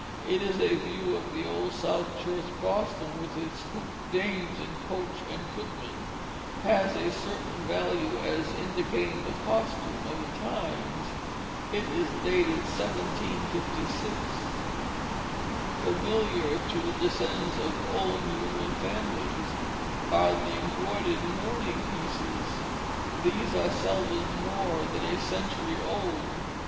It is a view of the Old South Church, Boston; and with its hooped dames and coach and footman, has a certain value as indicating the costume of the times. It is dated 1756. Familiar to the descendants of old New England families, are the embroidered mourning pieces. These are seldom more than a century old.